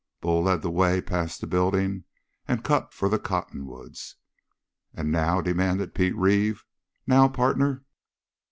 Bull led the way past the building and cut for the cottonwoods. "And now?" demanded Pete Reeve. "Now, partner?"